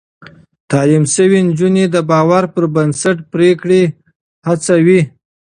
تعليم شوې نجونې د باور پر بنسټ پرېکړې هڅوي.